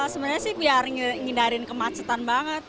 sebenarnya sih biar ngindarin kemacetan banget